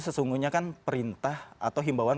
sesungguhnya kan perintah atau himbauan